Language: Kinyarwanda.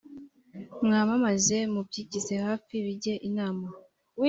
mwamamaze mubyigize hafi bijye inama